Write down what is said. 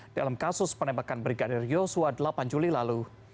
dalam kasus penembakan brigadir yosua delapan juli lalu